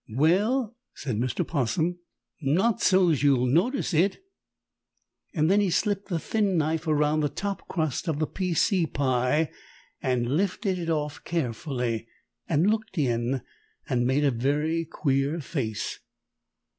"Well," said Mr. 'Possum, "Not so's you'll notice it." Then he slipped the thin knife around the top crust of the P. C. pie and lifted it off carefully and looked in and made a very queer face.